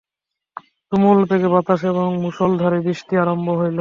তুমুলবেগে বাতাস এবং মুষলধারে বৃষ্টি আরম্ভ হইল।